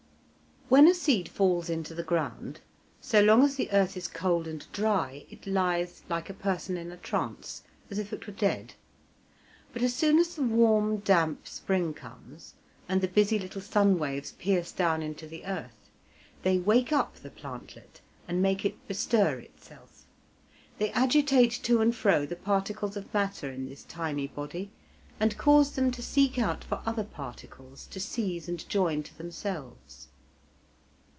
When a seed falls into the ground, so long as the earth is cold and dry, it lies like a person in a trance, as if it were dead; but as soon as the warm, damp spring comes, and the busy little sun waves pierce down into the earth, they wake up the plantlet and make it bestir itself. They agitate to and fro the particles of matter in this tiny body, and cause them to seek out for other particles to seize and join to themselves.